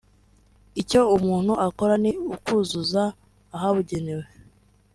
Icyo umuntu akora ni ukuzuza ahabugenewe